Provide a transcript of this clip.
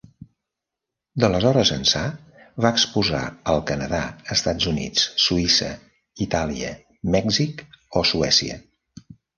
D'aleshores ençà va exposar al Canadà, Estats Units, Suïssa, Itàlia, Mèxic o Suècia.